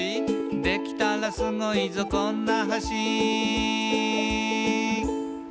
「できたらスゴいぞこんな橋」